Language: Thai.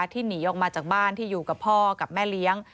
ที่หนีออกมาจากบ้านที่อยู่กับพ่อกับแม่เลี้ยง